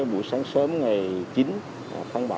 bữa sáng sớm ngày chín tháng bảy